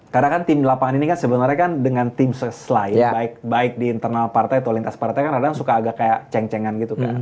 karena kan tim lapangan ini sebenarnya kan dengan tim selain baik di internal partai atau lintas partai kan rada suka agak kayak ceng cengan gitu kan